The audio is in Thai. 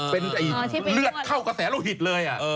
เป็นเลือดเข้ากระแสโลหิตเลย